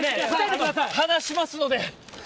話しますので。